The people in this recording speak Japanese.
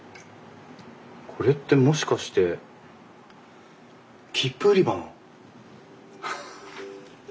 これってもしかして切符売り場の？